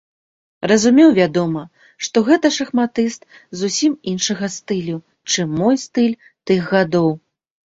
Разумеў, вядома, што гэта шахматыст зусім іншага стылю, чым мой стыль тых гадоў.